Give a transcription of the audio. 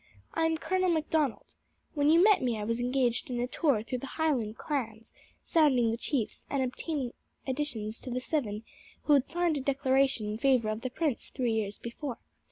I am Colonel Macdonald. When you met me I was engaged in a tour through the Highland clans, sounding the chiefs and obtaining additions to the seven who had signed a declaration in favour of the prince three years before.